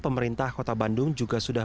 pemerintah kota bandung juga sudah